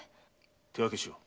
手分けしよう。